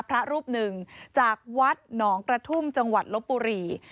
พระรูปหนึ่งจากวัดหนองกระทุ่มจังหวัดลบบุรี